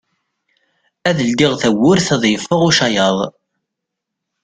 Ad ldiɣ tawwurt ad yeffeɣ ucayaḍ.